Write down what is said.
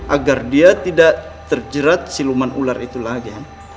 agar dia tidak terjerat si luman ular itu lagi